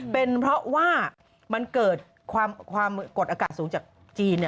เป็นเพราะว่ามันเกิดความกดอากาศสูงจากจีน